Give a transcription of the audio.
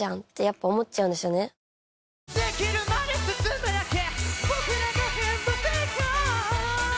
できるまで進むだけ